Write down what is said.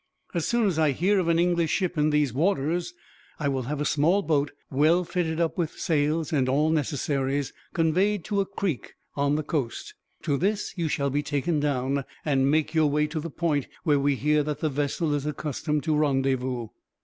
As soon as I hear of an English ship in these waters I will have a small boat, well fitted up with sails and all necessaries, conveyed to a creek on the coast. To this you shall be taken down, and make your way to the point where we hear that the vessel is accustomed to rendezvous."